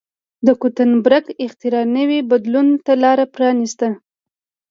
د ګوتنبرګ اختراع نوي بدلون ته لار پرانېسته.